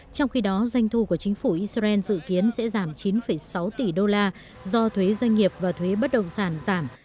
trong khi đó doanh thu của chính phủ israel dự kiến sẽ giảm chín sáu tỷ đô la do thuế doanh nghiệp và thuế bất động sản giảm